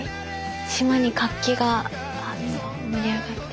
島に活気が盛り上がって。